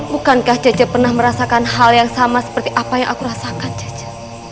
bukankah caca pernah merasakan hal yang sama seperti apa yang aku rasakan caca